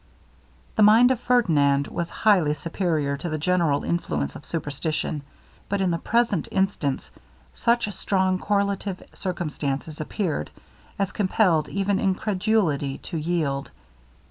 The mind of Ferdinand was highly superior to the general influence of superstition; but, in the present instance, such strong correlative circumstances appeared, as compelled even incredulity to yield.